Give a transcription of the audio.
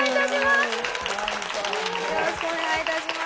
よろしくお願いします。